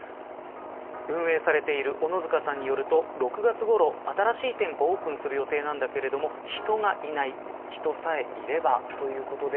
運営されている小野塚さんによると６月ごろに新しい店舗をオープンする予定ですけど人がいないということです。